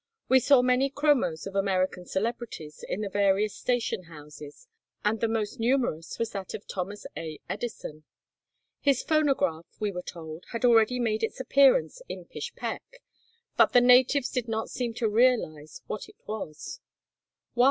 We saw many chromos of American celebrities in the various station houses, and the most numerous was that of Thomas A. Edison. His phonograph, we were told, had already made its appearance in Pishpek, but the natives did not seem to realize what it was.